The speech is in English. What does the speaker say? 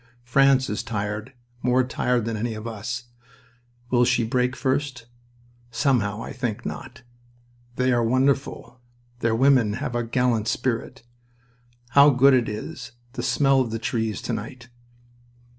France is tired, more tired than any of us. Will she break first? Somehow I think not. They are wonderful! Their women have a gallant spirit... How good it is, the smell of the trees to night!"